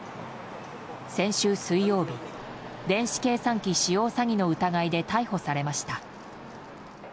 先週水曜日電子計算機使用詐欺の疑いで逮捕されました。